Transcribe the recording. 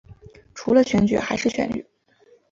除了选举还是选举